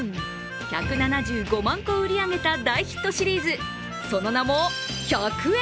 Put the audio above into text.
１７５万個売り上げた大ヒットシリーズ、その名も１００円